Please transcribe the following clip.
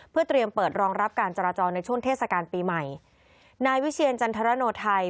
เพื่อเตรียมเปิดรองรับการจราจรในช่วงเทศกาลปีใหม่นายวิเชียรจันทรโนไทย